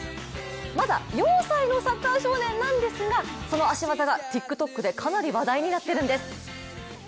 まだ４歳のサッカー少年なんですが、その足技が、ＴｉｋＴｏｋでかなり話題になってるんです。